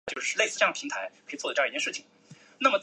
近年以庵野秀明左右手的身份参与写实作品。